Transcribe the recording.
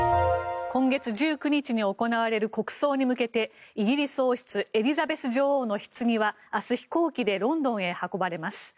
今月１９日に行われる国葬に向けてイギリス王室エリザベス女王のひつぎは明日、飛行機でロンドンへ運ばれます。